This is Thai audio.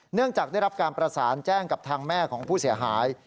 เนื่องจากได้รับการประสานแจ้งกับทางแม่ของผู้เสียหาย